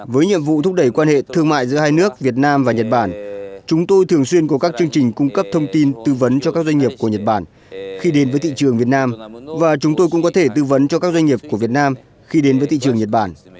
với nhiệm vụ thúc đẩy quan hệ thương mại giữa hai nước việt nam và nhật bản chúng tôi thường xuyên có các chương trình cung cấp thông tin tư vấn cho các doanh nghiệp của nhật bản khi đến với thị trường việt nam và chúng tôi cũng có thể tư vấn cho các doanh nghiệp của việt nam khi đến với thị trường nhật bản